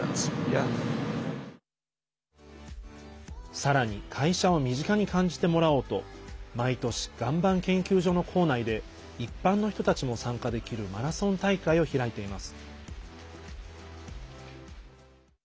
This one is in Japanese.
さらに、会社を身近に感じてもらおうと毎年、岩盤研究所の構内で一般の人たちも参加できるマラソン大会を開いています。